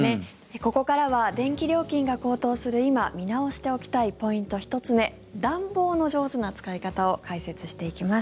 ここからは電気料金が高騰する今見直しておきたいポイント１つ目暖房の上手な使い方を解説していきます。